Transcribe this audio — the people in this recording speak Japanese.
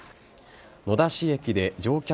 野田市駅で乗客